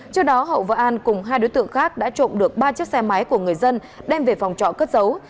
trước đó hậu và an cùng hai đối tượng khác đã trộm được ba chiếc xe máy của người dân đem về phòng trọ cất dấu